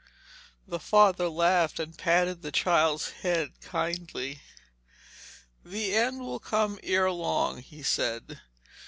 The father laughed, and patted the child's head kindly. 'The end will come ere long,' he said.